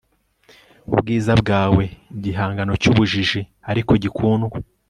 Ubwiza bwawe igihangano cyubujiji ariko gikundwa